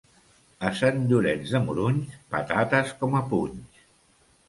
A Sant Llorenç de Morunys, patates com a punys.